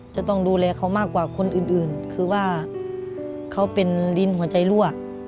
จะต้องดูแลเขามากกว่าคนอื่นคือว่าเขาเป็นลิ้นหัวใจลวก